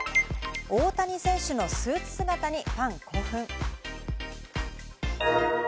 大谷選手のスーツ姿にファン興奮。